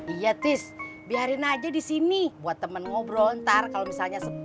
iya tis biarin aja disini buat temen ngobrol ntar kalo misalnya sepi